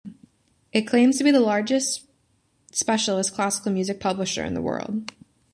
It claims to be the largest specialist classical music publisher in the world.